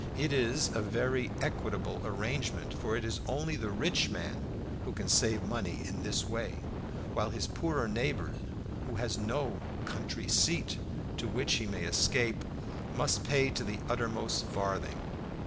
It is a very equitable arrangement, for it is only the rich man who can save money in this way, while his poorer neighbor, who has no country seat to which he may escape, must pay to the uttermost farthing.